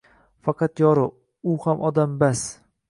Faqat yori… u ham odam, bas